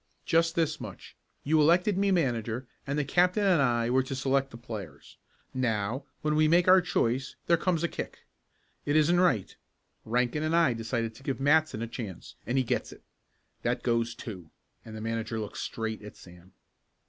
"Just this much. You elected me manager and the captain and I were to select the players. Now, when we make our choice, there comes a kick. It isn't right. Rankin and I decided to give Matson a chance, and he gets it. That goes, too!" and the manager looked straight at Sam.